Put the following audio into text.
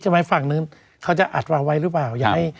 จะไปฝั่งหนึ่งเขาจะอัดวางไว้หรือเปล่าอย่าให้